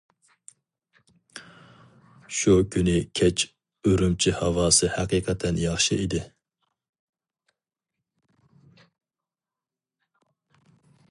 شۇ كۈنى كەچ ئۈرۈمچى ھاۋاسى ھەقىقەتەن ياخشى ئىدى.